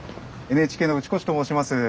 ＮＨＫの打越と申します。